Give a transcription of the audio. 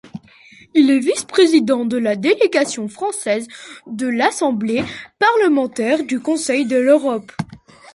Il est vice-président de la délégation française de l'Assemblée parlementaire du Conseil de l'Europe.